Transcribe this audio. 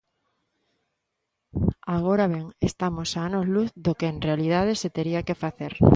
Agora ben, estamos a anos luz do que en realidade se tería que facer.